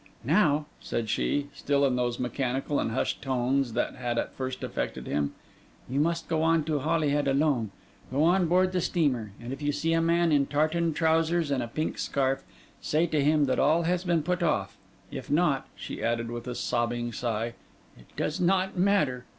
'Now,' said she, still in those mechanical and hushed tones that had at first affected him, 'you must go on to Holyhead alone; go on board the steamer; and if you see a man in tartan trousers and a pink scarf, say to him that all has been put off: if not,' she added, with a sobbing sigh, 'it does not matter.